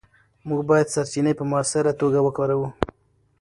موږ باید سرچینې په مؤثره توګه وکاروو.